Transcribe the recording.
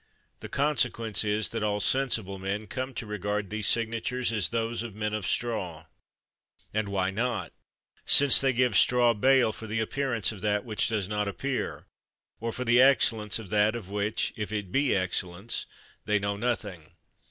The consequence is that all sensible men come to regard these signatures as those of men of straw. And why not, since they give straw bail for the appearance of that which does not appear, or for the excellence of that of which, if it be excellence, they know nothing?